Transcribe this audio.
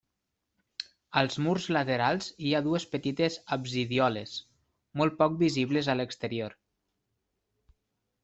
Als murs laterals hi ha dues petites absidioles, molt poc visibles a l'exterior.